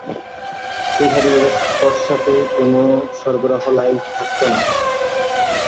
সেসাথে তাদের পশ্চাতে কোন সরবরাহ লাইন থাকত না।